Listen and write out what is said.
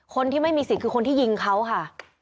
คนที่ไม่มีสิทธิ์คือคนที่ยิงเขาค่ะ